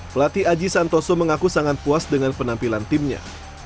pelatih aji santoso mengaku sangat puas dengan penampilan timnya